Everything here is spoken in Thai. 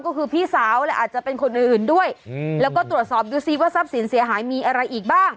ก็คือพี่สาวแหละอาจจะเป็นคนอื่นด้วยแล้วก็ตรวจสอบดูซิว่าทรัพย์สินเสียหายมีอะไรอีกบ้าง